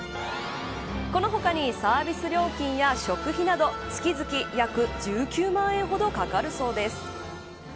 この他にサービス料金や食費など月々約１９万円ほどかかるそうです。